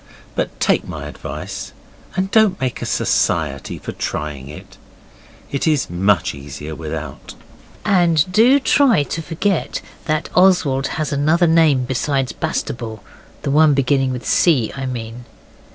But take my advice and don't make a society for trying in. It is much easier without. And do try to forget that Oswald has another name besides Bastable. The one beginning with C., I mean.